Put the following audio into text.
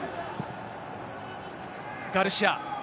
ガルシア。